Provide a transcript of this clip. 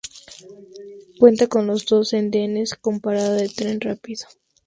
Cuenta con los dos andenes con parada de tren rápido.